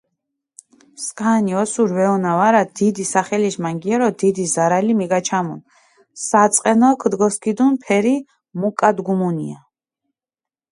სქანი ოსური ვეჸონა ვარა, დიდი სახელიშ მანგიორო დიდი ზარალი მიგაჩამუნ, საწყენო ქჷდგოსქიდუნ ფერი მუკგადგუმუნია.